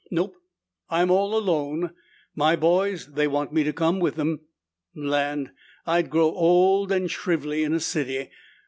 "Nope, I'm all alone. My boys, they want me to come with them. Land! I'd grow old and shrively in a city!